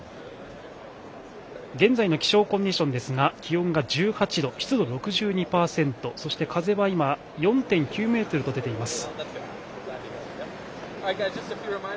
現在の気象コンディションですが気温が１８度、湿度６２％そして、風は今、４．９メートルと出ています。